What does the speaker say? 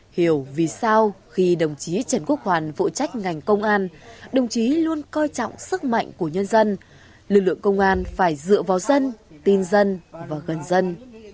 hiểu vì sao khi đồng chí trần quốc hoàn phụ trách ngành công an đồng chí luôn coi trọng sức mạnh của nhân dân lực lượng công an phải dựa vào dân tin dân và gần dân